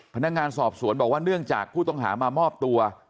พนักงานสอบสวนบอกว่าเนื่องจากผู้ต้องหามามอบตัว